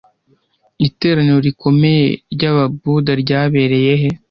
iteraniro rikomeye ryababuda ryabereye he